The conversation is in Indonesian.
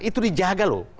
itu dijaga loh